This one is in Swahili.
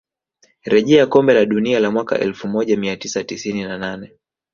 rejea kombe la dunia la mwaka elfu moja mia tisa tisini na nane